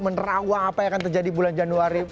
menerawang apa yang akan terjadi bulan januari